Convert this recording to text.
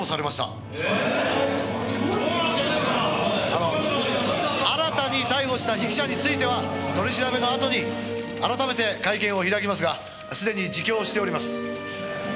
「あの新たに逮捕した被疑者については取り調べのあとに改めて会見を開きますがすでに自供をしております」